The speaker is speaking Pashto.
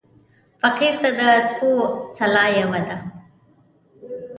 فقير ته د سپو سلا يوه ده.